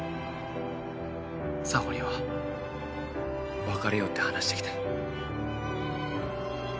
沙帆には別れようって話してきた。